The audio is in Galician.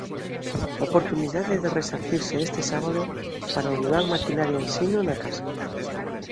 Oportunidade de resarcirse este sábado para o Durán Maquinaria Ensino na casa.